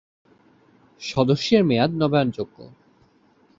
সদস্যের মেয়াদ নবায়নযোগ্য।